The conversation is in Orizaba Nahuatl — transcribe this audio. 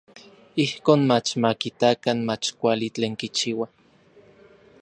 Ijkon mach ma kitakan mach kuali tlen kichiua.